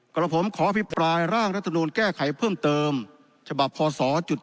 กระดับผมขอพิปรายร่างรัฐศนูนย์แก้ไขเพิ่มเติมฉบับพส